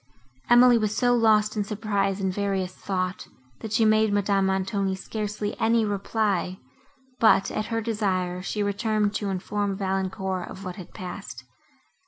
Emily was so lost in surprise and various thought, that she made Madame Montoni scarcely any reply, but, at her desire, she returned to inform Valancourt of what had passed.